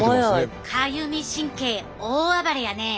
かゆみ神経大暴れやね。